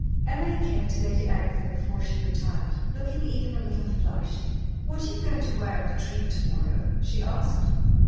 Emily came to Lady Agatha before she retired, looking even a little flushed. "What are you going to wear at the treat to morrow?" she asked.